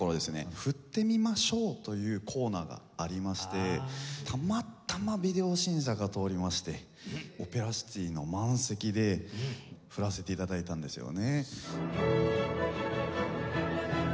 「振ってみまＳＨＯＷ！」というコーナーがありましてたまたまビデオ審査が通りましてオペラシティの満席で振らせて頂いたんですよね。